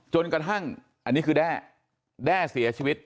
จนกระทั่งอันนี้คือแด้แด้เสียชีวิต